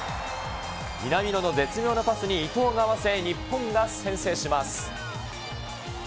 南野の絶妙なパスに伊東が合わせ、日本が先制します。